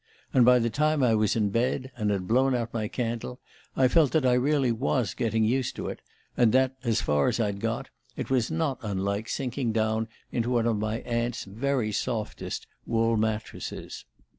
And by the time I was in bed, and had blown out my candle, I felt that I really was getting used to it, and that, as far as I'd got, it was not unlike sinking down into one of my aunt's very softest wool mattresses.